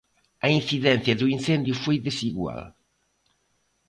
A incidencia do incendio foi desigual.